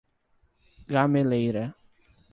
Gameleira